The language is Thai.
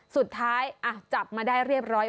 สุดท้ายจับมาได้เรียบร้อย